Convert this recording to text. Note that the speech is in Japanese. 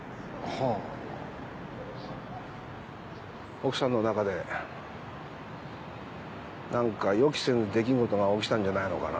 奥さんのなかで何か予期せぬ出来事が起きたんじゃないのかな？